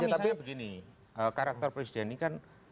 karena misalnya begini karakter presiden ini kan apa dia ingin cepat cepat cepat